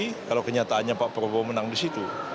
jadi kalau kenyataannya pak prabowo menang di situ